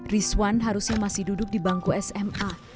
rizwan harusnya masih duduk di bangku sma